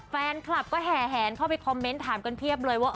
แฟนคลับก็แห่แหนเข้าไปคอมเมนต์ถามกันเพียบเลยว่า